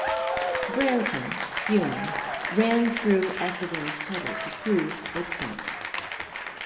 Brereton, fuming, ran through Essendon's huddle to prove a point.